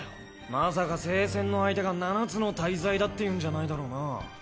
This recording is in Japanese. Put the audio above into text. まさか聖戦の相手が七つの大罪だっていうんじゃないだろうな？